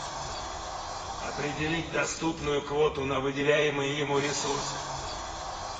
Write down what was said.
Определить доступную квоту на выделяемые ему ресурсы